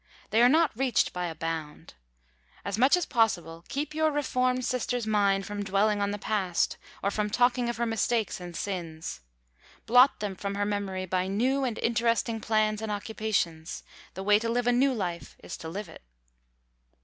They are not reached by a bound. As much as possible keep your reformed sister's mind from dwelling on the past, or from talking of her mistakes and sins. Blot them from her memory by new and interesting plans and occupations. The way to live a new life is to live it.